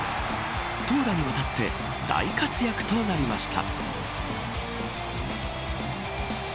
投打にわたって大活躍となりました。